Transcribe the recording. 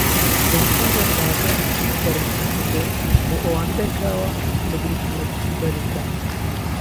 بەهێزترین ڕێنماییەکانی خود کەرەنتین کردن بۆ ئەوانە دەرکراوە کە لە گروپی مەترسی بەرزدان.